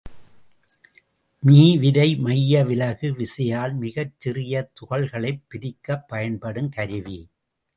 Me விரை மைய விலகு விசையால் மிகச் சிறிய துகள்களைப் பிரிக்கப் பயன்படும் கருவி.